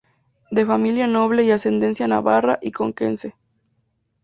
De familia noble y ascendencia navarra y conquense.